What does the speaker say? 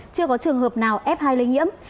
chưa có trường hợp nào f hai lây nhiễm